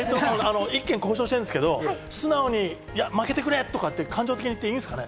一件、交渉してるんですけど、素直に負けてくれ！とか感情的に言っていいんですかね？